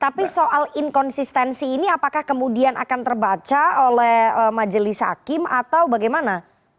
tapi soal inkonsistensi ini apakah kemudian akan terbaca oleh majelis hakim atau bagaimana